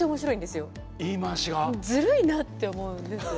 ずるいなって思うんですよ。